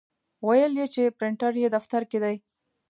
ویل یې چې پرنټر یې دفتر کې دی.